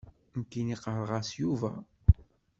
Nekk ɣɣareɣ-as Yuba.